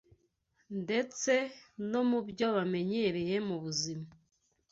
ndetse no mu byo bamenyereye mu buzima